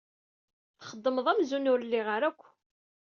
Txeddmeḍ amzun ur lliɣ ara akk.